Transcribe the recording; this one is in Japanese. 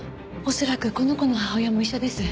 恐らくこの子の母親も一緒です。